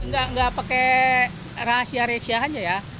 gak pake rahasia reaksianya ya